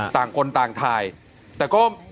ต่างคนต่างถ่ายแต่ก็